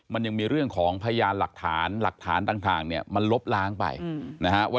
มันยังมีเรื่องของพยานหลักฐานหลักฐานต่างเนี่ยมันลบล้างไปนะฮะว่า